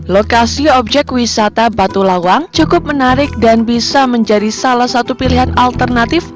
lokasi objek wisata batu lawang cukup menarik dan bisa menjadi salah satu pilihan alternatif